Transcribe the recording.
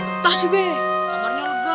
entah sih be kamarnya lega